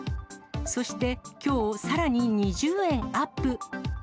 そしてきょう、さらに２０円アップ。